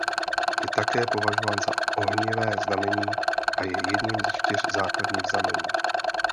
Je také považován za ohnivé znamení a je jedním ze čtyř základních znamení.